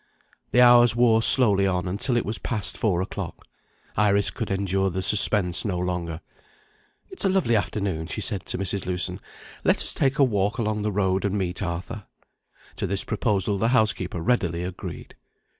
The hours wore slowly on until it was past four o'clock. Iris could endure the suspense no longer. "It's a lovely afternoon," she said to Mrs. Lewson. "Let us take a walk along the road, and meet Arthur." To this proposal the housekeeper readily agreed.